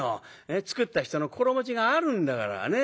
作った人の心持ちがあるんだからね。